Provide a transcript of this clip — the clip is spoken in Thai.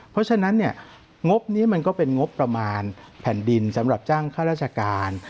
เพราะฉะนั้นเนี่ยงบนี้มันก็เป็นงบประมาณแผ่นดินสำหรับจ้างข้าราชการ